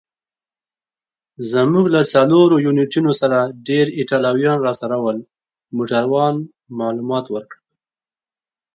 زموږ له څلورو یونیټونو سره ډېر ایټالویان راسره ول. موټروان معلومات ورکړل.